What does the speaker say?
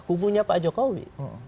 kubunya pak jokowi